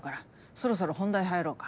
そろそろ本題入ろうか。